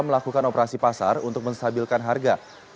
melakukan operasi pasar untuk menstabilkan harga